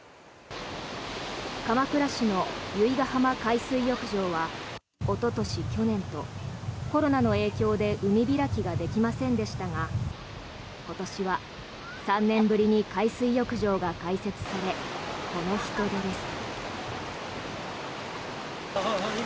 鎌倉市の由比ガ浜海水浴場はおととし、去年とコロナの影響で海開きができませんでしたが今年は３年ぶりに海水浴場が開設されこの人出です。